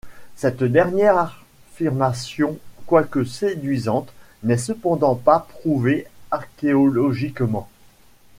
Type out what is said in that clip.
Cette dernière affirmation, quoique séduisante, n'est cependant pas prouvée archéologiquement.